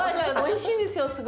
おいしいんですよ